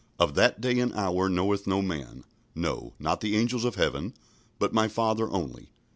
"Of that day and hour knoweth no man, no, not the angels of heaven, but my Father only."